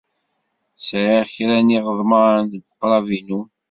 Sɛiɣ kra n yiɣeḍmen deg uqrab-inu.